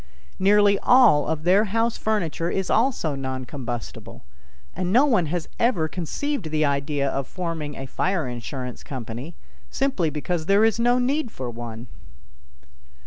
Nearly all of their house furniture is also non combustible, and no one has ever conceived the idea of forming a fire insurance company, simply because there is no need for one.